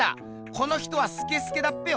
この人はスケスケだっぺよ。